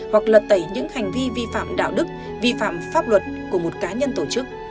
hoặc lật tẩy những hành vi vi phạm đạo đức vi phạm pháp luật của một cá nhân tổ chức